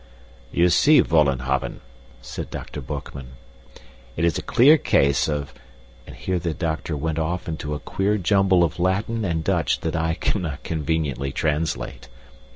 "You see, Vollenhoven," said Dr. Boekman, "it is a clear case of " And here the doctor went off into a queer jumble of Latin and Dutch that I cannot conveniently translate.